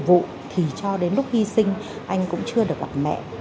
vụ thì cho đến lúc hy sinh anh cũng chưa được gặp mẹ